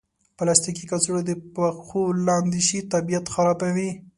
پلاستيکي کڅوړې د پښو لاندې شي، طبیعت خرابوي.